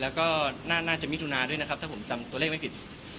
แล้วก็น่าจะมิถุนาด้วยนะครับถ้าผมจำตัวเลขไม่ผิด